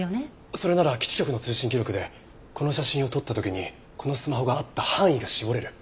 それなら基地局の通信記録でこの写真を撮った時にこのスマホがあった範囲が絞れる。